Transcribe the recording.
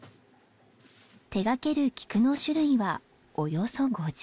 手掛けるキクの種類はおよそ５０。